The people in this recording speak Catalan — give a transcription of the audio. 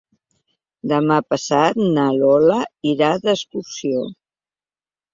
Demà passat na Lola irà d'excursió.